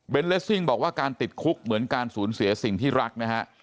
เลสซิ่งบอกว่าการติดคุกเหมือนการสูญเสียสิ่งที่รักนะฮะ